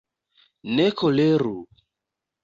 Ne koleru!